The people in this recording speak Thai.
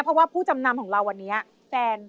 เพราะว่าผู้จำนำของเราวันนี้แฟน